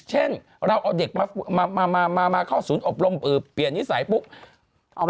เช่นเราเอาเด็กมาเข้าศูนย์อบรมเปลี่ยนนิสัยปุ๊บ